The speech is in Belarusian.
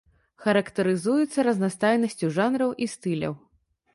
Характарызуецца разнастайнасцю жанраў і стыляў.